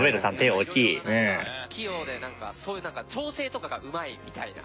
色々ななんか器用でそういう調整とかがうまいみたいな。